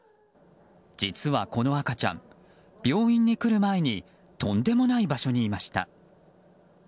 実は、この赤ちゃん病院に来る前にとんでもない場所にいました。